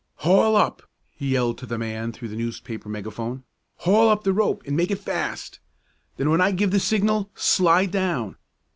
"Haul up!" he yelled to the man through the newspaper megaphone. "Haul up the rope and make it fast. Then, when I give the signal, slide down."